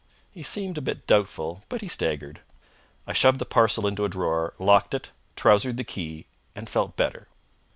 He seemed a bit doubtful; but he staggered. I shoved the parcel into a drawer, locked it, trousered the key, and felt better.